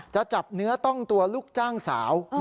จะจับเนื้อต้องตัวลูกจ้างสาว